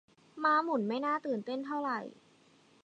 ม้าหมุนไม่น่าตื่นเต้นเท่าไหร่